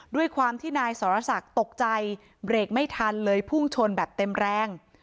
ด้วยความที่นายสรศักดิ์ตกใจเบรกไม่ทันเลยพุ่งชนแบบเต็มแรง